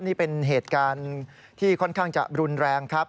นี่เป็นเหตุการณ์ที่ค่อนข้างจะรุนแรงครับ